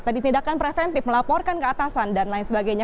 tadi tindakan preventif melaporkan keatasan dan lain sebagainya